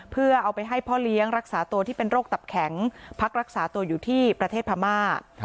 เพื่อเอาไปให้พ่อเลี้ยงรักษาตัวที่เป็นโรคตับแข็งพักรักษาตัวอยู่ที่ประเทศพม่า